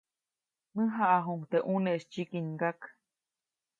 Mäjaʼajuʼuŋ teʼ ʼuneʼis tsyikingyak.